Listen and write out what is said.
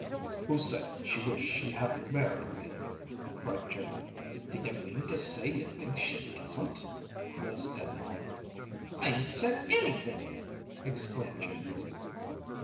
"Who said she wished she hadn't married me?" cried Jimmy. "Do ye mean to say ye think she doesn't?" blazed Dannie. "I ain't said anything!" exclaimed Jimmy.